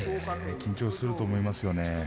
緊張すると思います。